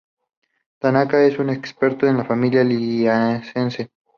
Tanaka es un experto en la familia Liliaceae.